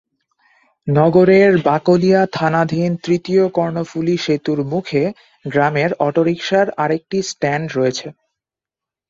নগরের বাকলিয়া থানাধীন তৃতীয় কর্ণফুলী সেতুর মুখে গ্রামের অটোরিকশার আরেকটি স্ট্যান্ড রয়েছে।